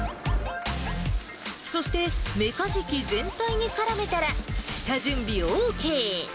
そしてメカジキ全体にからめたら下準備ＯＫ。